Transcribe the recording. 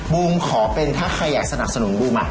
บูมขอเป็นถ้าใครอยากสนับสนุนบูมอ่ะ